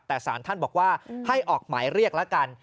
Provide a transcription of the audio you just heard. แต่สารท่านบอกว่าให้ออกหมายเรียกแล้วกัน